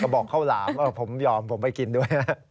กระบอกเข้าหลามอ่ะผมยอมผมไปกินด้วย